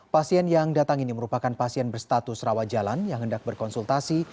pasien yang datang ini merupakan pasien berstatus rawajalan yang hendak berkonsultasi